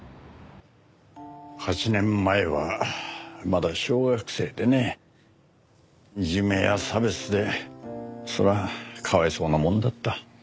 ８年前はまだ小学生でねいじめや差別でそりゃあかわいそうなもんだった。